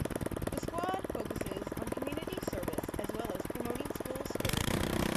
The squad focuses on community service as well as promoting school spirit.